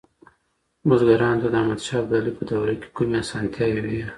بزګرانو ته د احمد شاه ابدالي په دوره کي کومي اسانتیاوي وي؟